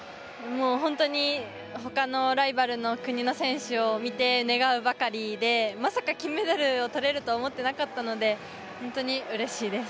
本当にほかのライバルの国の選手を見て願うばかりでまさか金メダルを取れるとは思ってなかったので本当にうれしいです。